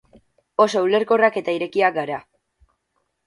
Oso ulerkorrak eta irekiak gara.